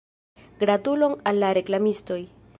Gratulon al la reklamistoj.